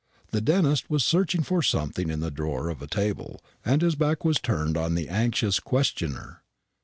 The dentist was searching for something in the drawer of a table, and his back was turned on the anxious questioner.